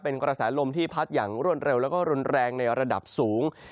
เป็นกระแสลมที่พัดอย่างรวดเร็วแล้วก็รุนแรงในระดับสูง